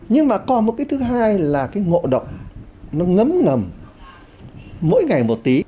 nhưng mà còn một cái thứ hai là cái ngộ độc nó ngấm ngầm mỗi ngày một tí